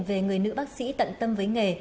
về người nữ bác sĩ tận tâm với nghề